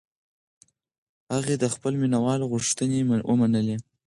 هغې د خپلو مینهوالو غوښتنې ومنلې.